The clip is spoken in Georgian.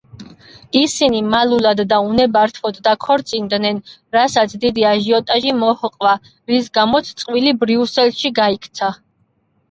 ისინი მალულად და უნებართვოდ დაქორწინდნენ რასაც დიდი აჟიოტაჟი მოჰყვა რის გამოც წყვილი ბრიუსელში გაიქცა.